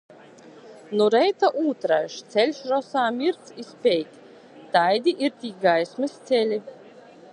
Nu reita ūtraiž, ceļš rosā mirdz i speid. Taidi ir tī gaismys celi.